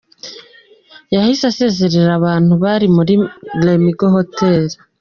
Yahise asezerera abantu bari muri Lemigo Hotel.